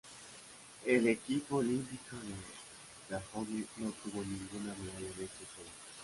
El equipo olímpico de Dahomey no obtuvo ninguna medalla en estos Juegos.